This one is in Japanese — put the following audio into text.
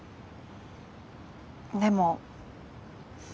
でも。